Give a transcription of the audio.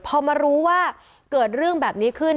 พอมารู้ว่าเกิดเรื่องแบบนี้ขึ้น